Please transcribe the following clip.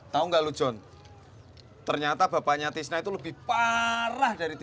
tahu nggak lu john ternyata bapaknya tisna itu lebih parah dari